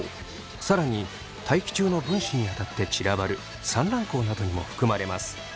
更に大気中の分子に当たって散らばる散乱光などにも含まれます。